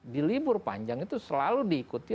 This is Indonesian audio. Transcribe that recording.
di libur panjang itu selalu diikuti